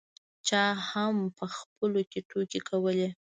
چا هم په خپلو کې ټوکې کولې.